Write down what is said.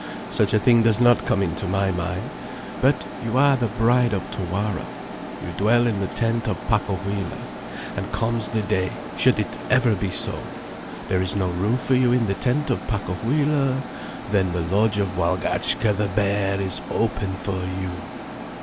Such a thing does not come into my mind. But you are the Bride of Tawara. You dwell in the tent of Pacohuila. And comes the day, should it ever be so, there is no room for you in the tent of Pacohuila, then the lodge of Walgatchka the bear is open for you.